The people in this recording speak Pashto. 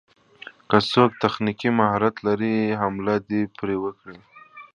که څوک تخنيکي مهارت لري حمله دې پرې وکړي.